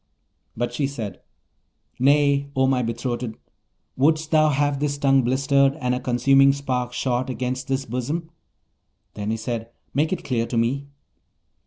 But she said, 'Nay, O my betrothed! wouldst thou have this tongue blistered, and a consuming spark shot against this bosom?' Then he: 'Make it clear to me.'